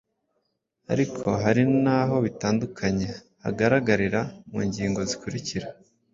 Ariko hari n'aho bitandukanye hagaragarira mu ngingo zikurikira: